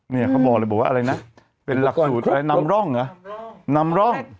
เนี่ยเขาบอกเลยบอกว่าอะไรนะเป็นหลักสูตรอะไรนำร่องเหรอนำร่อง